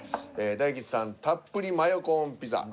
大吉さん「たっぷりマヨコーンピザ」。